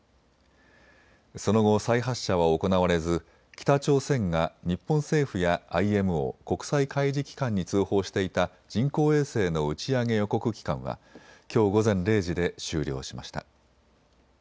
その後、再発射は行われず北朝鮮が日本政府やＩＭＯ・国際海事機関に通報していた人工衛星の打ち上げ予告期間はきょう午前０時で終了しました。